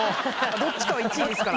どっちかは１位ですから。